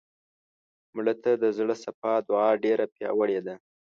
مړه ته د زړه صفا دعا ډېره پیاوړې ده